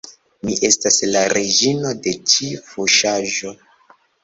Mi estas la reĝino de ĉi fuŝaĵo